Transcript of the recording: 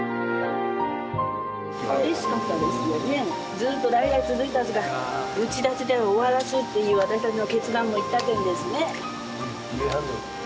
ずっと代々続いたうちら世代で終わらすっていう私たちの決断もあったけんですね。